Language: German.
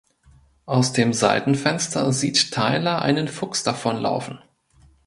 Aus dem Seitenfenster sieht Tyler einen Fuchs davonlaufen.